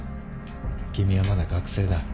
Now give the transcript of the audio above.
君はまだ学生だ。